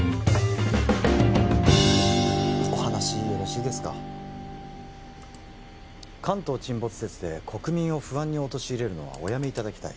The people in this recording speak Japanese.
お話よろしいですか関東沈没説で国民を不安に陥れるのはおやめいただきたい